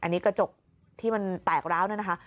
นี่กระจกที่มันแตกแล้วนะ